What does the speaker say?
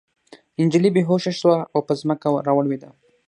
نجلۍ بې هوښه شوه او په ځمکه راولوېده